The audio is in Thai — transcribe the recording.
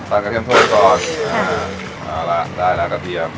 ปั่นกระเทียมโทนก่อนเอาละได้ละกระเทียม